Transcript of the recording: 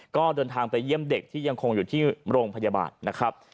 ก็เดินทางไปเยี่ยมเด็กที่ยังคงอยู่ที่โรงพยาบาลนะครับ